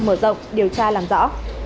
mở rộng điều tra làm rõ